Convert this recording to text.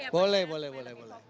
boleh boleh boleh